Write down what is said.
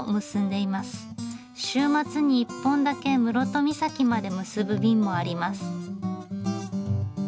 週末に一本だけ室戸岬まで結ぶ便もあります。